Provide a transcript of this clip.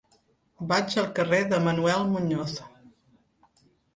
Vaig al carrer de Manuel Muñoz.